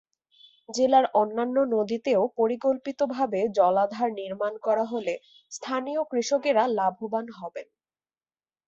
জেলার অন্যান্য নদীতেও পরিকল্পিতভাবে জলাধার নির্মাণ করা হলে স্থানীয় কৃষকেরা লাভবান হবেন।